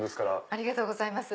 ありがとうございます。